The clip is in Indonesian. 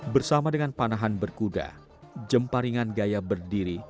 bersama dengan panahan berkuda jemparingan gaya berdiri